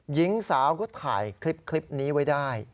หญิงสาวก็ถ่ายคลิปนี้ไว้ได้